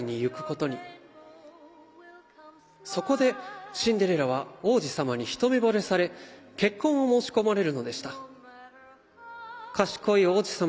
そこでシンデレラは王子様に一目ぼれされ結婚を申し込まれるのでした」。